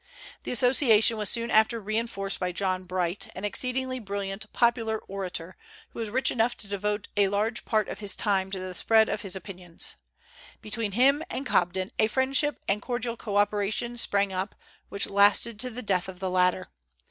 The Association was soon after reinforced by John Bright, an exceedingly brilliant popular orator, who was rich enough to devote a large part of his time to the spread of his opinions. Between him and Cobden a friendship and cordial co operation sprang up, which lasted to the death of the latter.